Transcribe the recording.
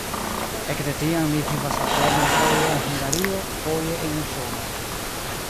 Ekde tiam li vivas alterne foje en Hungario, foje en Usono.